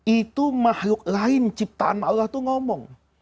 itu makhluk lain ciptaan allah itu ngomong